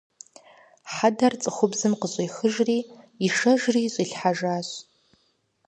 Хьэдэр цӀыхубзым къыщӀихыжри ишэжри щӀилъхьэжащ.